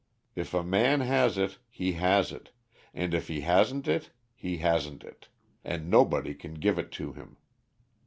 If a man has it he has it, and if he hasn't it he hasn't it, and nobody can give it to him.